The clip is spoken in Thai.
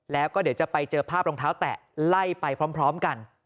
แล้วก็เดี๋ยวจะไปเจอภาพรองเท้าแตะไล่ไปพร้อมกัน